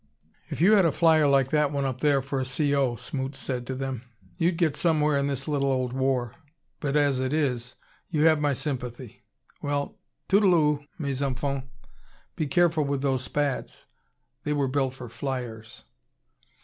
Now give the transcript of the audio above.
"If you had a flyer like that one up there for a C.O.," Smoot said to them, "you'd get somewhere in this little old war. But as it is, you have my sympathy. Well, toodle oo, mes enfants. Be careful with those Spads. They were built for flyers."